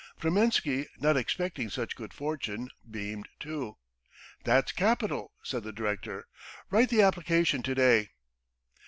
Vremensky, not expecting such good fortune, beamed too. "That's capital," said the director. "Write the application to day."